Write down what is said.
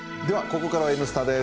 ここからは「Ｎスタ」です。